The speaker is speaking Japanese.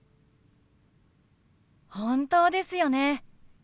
本当ですよね。